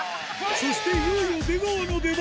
そしていよいよ出川の出番。